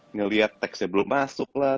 ngeliat textnya belum masuk lah